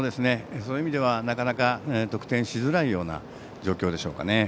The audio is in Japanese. そういう意味ではなかなか得点しづらいような状況でしょうかね。